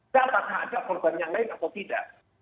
siapakah ada korban yang lain atau tidak